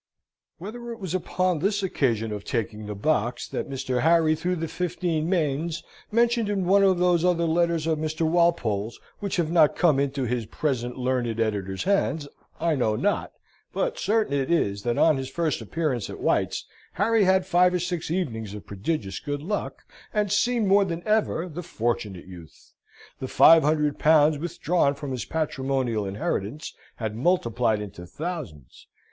Whether it was upon this occasion of taking the box, that Mr. Harry threw the fifteen mains mentioned in one of those other letters of Mr. Walpole's, which have not come into his present learned editor's hands, I know not; but certain it is, that on his first appearance at White's, Harry had five or six evenings of prodigious good luck, and seemed more than ever the Fortunate Youth. The five hundred pounds withdrawn from his patrimonial inheritance had multiplied into thousands.